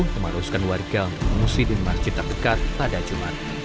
memaluskan warga muslim dan masjid terdekat pada jumat